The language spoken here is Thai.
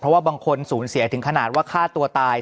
ว่าบางคนสูญเสียถึงขนาดว่าฆ่าตัวตาย